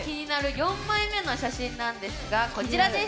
４枚目の写真なんですがこちらです。